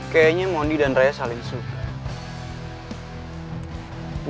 kayaknya mondi dan raya saling suka